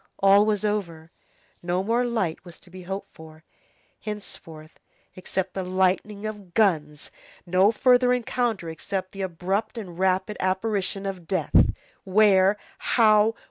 All was over. No more light was to be hoped for, henceforth, except the lightning of guns, no further encounter except the abrupt and rapid apparition of death. Where? How?